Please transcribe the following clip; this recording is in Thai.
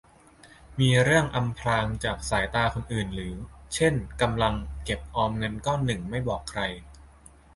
มีเรื่องอำพรางจากสายตาคนอื่น หรือเช่นกำลังเก็บออมเงินก้อนหนึ่งไม่บอกใคร